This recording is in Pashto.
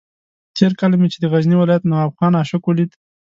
تېر کال چې مې د غزني ولایت نواب خان عاشق ولید.